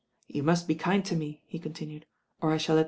You must be kind to me," he continued, "or I ^li A T